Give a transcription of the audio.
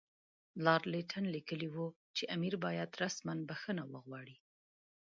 لارډ لیټن لیکلي وو چې امیر باید رسماً بخښنه وغواړي.